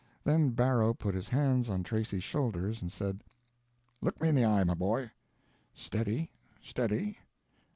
Then Barrow put his hands on Tracy's shoulders and said: "Look me in the eye, my boy. Steady, steady.